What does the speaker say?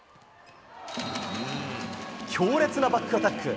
強烈なバックアタック。